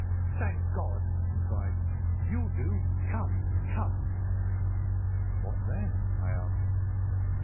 "'Thank God,' he cried. 'You'll do. Come! Come!' "'What then?' I asked.